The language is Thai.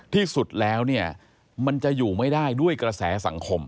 ที่สุดแล้วเนี่ยมันจะอยู่ไม่ได้ด้วยกระแสสังคม